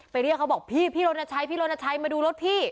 เรียกเขาบอกพี่พี่รณชัยพี่รณชัยมาดูรถพี่